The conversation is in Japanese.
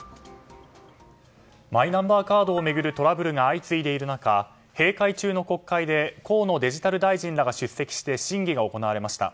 マイナンバーカードを巡るトラブルが相次いでいる中閉会中の国会で河野デジタル大臣らが出席して審議が行われました。